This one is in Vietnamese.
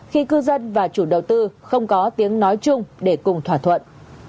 khi cư dân và chủ đầu tư không có tiếng nói chung để cùng thỏa thuận